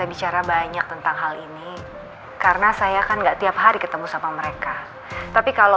iya terima kasih atas waktunya ya pak bu